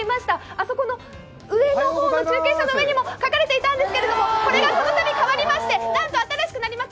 あそこの上の方の中継車の方にも書かれていましたがこれがこのたび変わりましてなんと新しくなります！